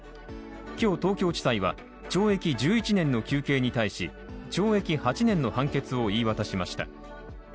今日東京地裁は、懲役１１年の求刑に対し、懲役８年の判決を言い渡しました。